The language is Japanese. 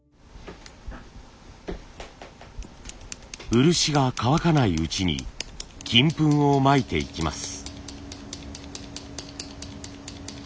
漆が乾かないうちに金粉をまいていきます。